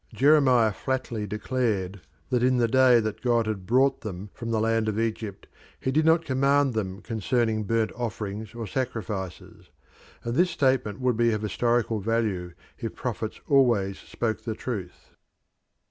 Jeremiah flatly declared that in the day that God brought them from the land of Egypt he did not command them concerning burnt offerings or sacrifices, and this statement would be of historical value if prophets always spoke the truth.